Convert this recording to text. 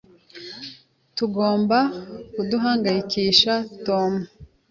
Ntugomba kuduhangayikisha, Tom.